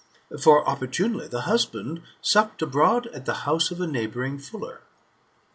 For opportunely the husband supped abroad at the house of a neighbouring fuller.